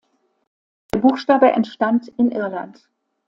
Der Buchstabe entstand in Irland.